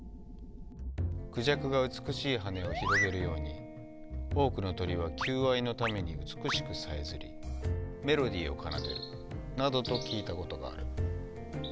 孔雀が美しい羽を広げるように多くの鳥は求愛のために美しくさえずりメロディーを奏でるなどと聞いたことがある。